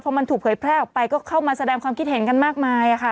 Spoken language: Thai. พอมันถูกเผยแพร่ออกไปก็เข้ามาแสดงความคิดเห็นกันมากมายค่ะ